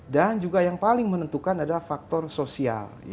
dan juga yang paling menentukan adalah faktor sosial